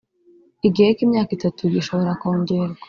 igihe cy’imyaka itatu gishobora kongerwa